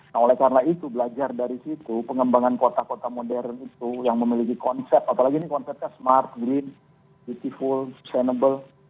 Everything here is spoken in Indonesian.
nah oleh karena itu belajar dari situ pengembangan kota kota modern itu yang memiliki konsep apalagi ini konsepnya smart green beauty full sustainable